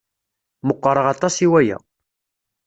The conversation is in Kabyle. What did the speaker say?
Meqqṛeɣ aṭas i waya.